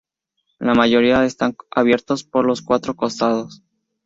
La mayoría están abiertos por los cuatro costados.